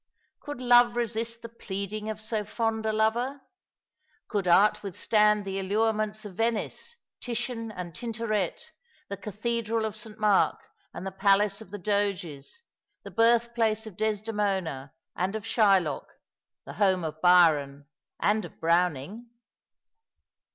Could loYe resist the pleading of so fond a lover ? Could art with stand the allurements of Venice— Titian and Tintoret, the cathedral of St. Mark and the Palace of the Doges, the birth place of Desdemona and of Shylock, the home of Byron jind of Browning